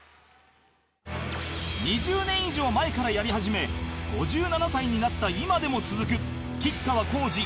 ２０年以上前からやり始め５７歳になった今でも続く吉川晃司